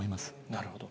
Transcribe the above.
なるほど。